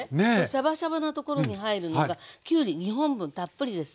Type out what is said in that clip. シャバシャバなところに入るのがきゅうり２本分たっぷりです。